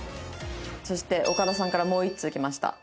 そして岡田さんからもう一通来ました。